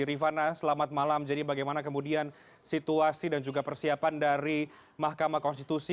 rifana selamat malam jadi bagaimana kemudian situasi dan juga persiapan dari mahkamah konstitusi